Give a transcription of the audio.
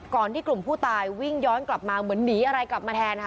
ที่กลุ่มผู้ตายวิ่งย้อนกลับมาเหมือนหนีอะไรกลับมาแทนค่ะ